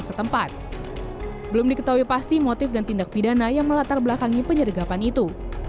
setempat belum diketahui pasti motif dan tindak pidana yang melatar belakangi penyergapan itu